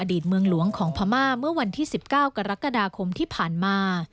ตเมืองหลวงของพม่าเมื่อวันที่๑๙กรกฎาคมที่ผ่านมา